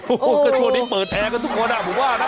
โอ้โหก็ช่วงนี้เปิดแอร์กันทุกคนอ่ะผมว่านะ